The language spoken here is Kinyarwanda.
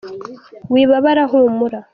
Wibabara humura.